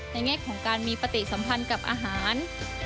แง่ของการมีปฏิสัมพันธ์กับอาหาร